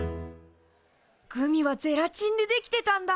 グミはゼラチンで出来てたんだ。